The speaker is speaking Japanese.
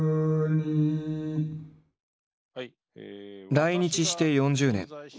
来日して４０年。